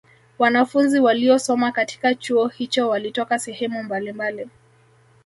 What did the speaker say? Wanafunzi waliosoma katika Chuo hicho walitoka sehemu mbalimbali